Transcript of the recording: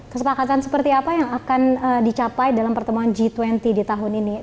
kesepakatan seperti apa yang akan dicapai dalam pertemuan g dua puluh di tahun ini